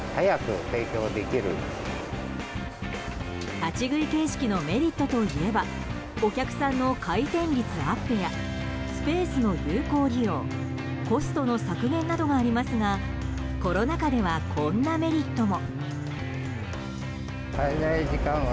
立ち食い形式のメリットといえばお客さんの回転率アップやスペースの有効利用コストの削減などがありますがコロナ禍ではこんなメリットも。